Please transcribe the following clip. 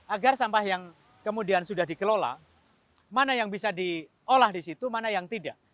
agar sampah yang kemudian sudah dikelola mana yang bisa diolah di situ mana yang tidak